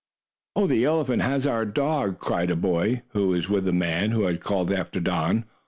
"Oh, the elephant has our dog!" cried a boy who was with the man who had called after Don.